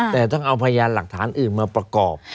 แต่ต้องเอาพยานหลักฐานอื่นมาประกอบ